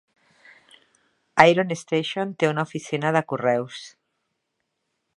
Iron Station té una oficina de correus.